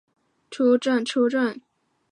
坂北站筱之井线铁路车站。